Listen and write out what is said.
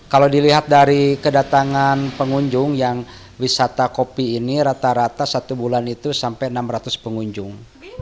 kalau dilihat dari kedatangan pengunjung yang wisata kopi ini rata rata satu bulan itu sampai enam ratus pengunjung